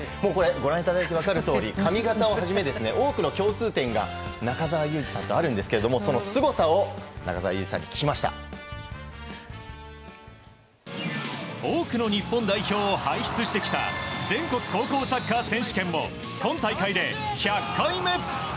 ご覧いただいて分かるように髪形をはじめ多くの共通点が中澤佑二さんとあるんですがそのすごさを多くの日本代表を輩出してきた全国高校サッカー選手権も今大会で１００回目。